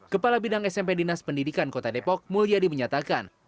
kepala bidang smp dinas pendidikan kota depok mulyadi menyatakan